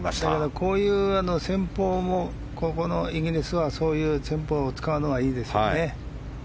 こういう戦法もここのイギリスはそういう戦法を使うのはいいですね。